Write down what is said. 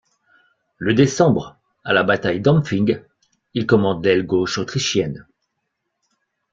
Le décembre, à la bataille d'Ampfing, il commande l'aile gauche autrichienne.